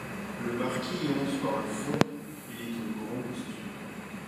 Le marquis entre par le fond, il est en grand costume.